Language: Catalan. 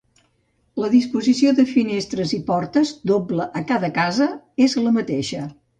La disposició de finestres i portes, doble a cada casa, és la mateixa.